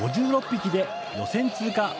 ５６匹で予選通過。